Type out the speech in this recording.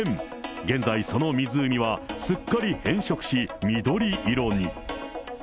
現在、その湖はすっかり変色し、緑色に。